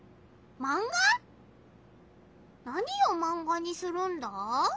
何をマンガにするんだ？